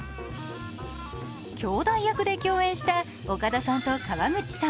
兄妹で共演した岡田将生さんと川口春奈さん。